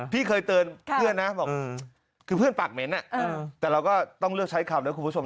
พี่เคยเตือนเพื่อนนะบอกคือเพื่อนปากเหม็นแต่เราก็ต้องเลือกใช้คำนะคุณผู้ชม